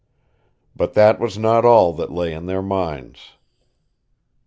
But that was not all that lay in their minds.